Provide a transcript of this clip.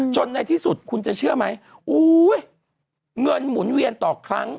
ในที่สุดคุณจะเชื่อไหมเงินหมุนเวียนต่อครั้ง